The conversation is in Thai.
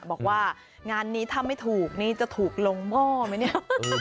บอกว่างานนี้ถ้าไม่ถูกนี่จะถูกลงหม้อไหมเนี่ย